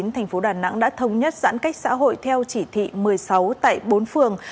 tp đà nẵng đã thống nhất giãn cách xã hội theo chỉ thị một mươi sáu tại bốn phường